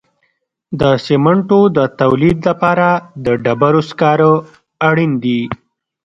د سمنټو د تولید لپاره د ډبرو سکاره اړین دي.